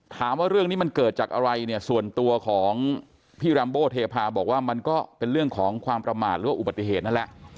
ถามว่าเรื่องนี้มันเกิดจากอะไรเนี่ยส่วนตัวของพี่รัมโบเทพาบอกว่ามันก็เป็นเรื่องของความประมาทหรือว่าอุบัติเหตุนั่นแหละ